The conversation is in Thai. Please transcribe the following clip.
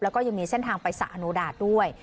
แล้วก็ยังมีเส้นทางไปสระอโนดาตด้วย